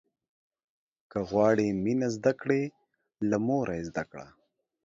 که غواړې مينه زده کړې، له موره يې زده کړه.